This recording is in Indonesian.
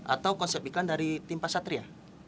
atau konsep iklan dari tim pak satria